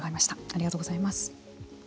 ありがとうございます。